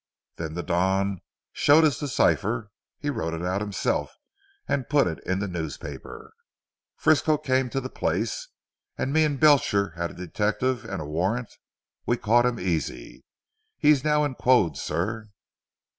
Then the Don showed us the cipher he wrote it out himself, and put it in the newspaper. Frisco came to the place, and me and Belcher had a detective and a warrant. We caught him easy. He is now in quod sir."